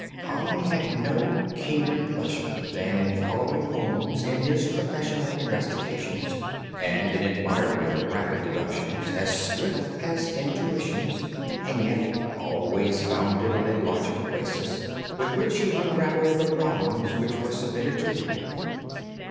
I had no keener pleasure than in following Holmes in his professional investigations, and in admiring the rapid deductions, as swift as intuitions, and yet always founded on a logical basis with which he unravelled the problems which were submitted to him.